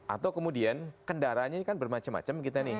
atau kemudian kendaraannya ini kan bermacam macam kita nih